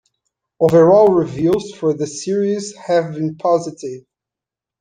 Overall reviews for the series have been positive.